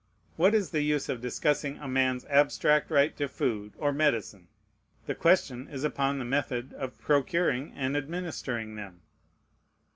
What is the use of discussing a man's abstract right to food or medicine? The question is upon the method of procuring and administering them.